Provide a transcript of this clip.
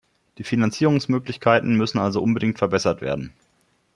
Die Finanzierungsmöglichkeiten müssen also unbedingt verbessert werden.